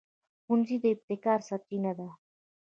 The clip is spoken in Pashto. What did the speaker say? ښوونځی د ابتکار سرچینه ده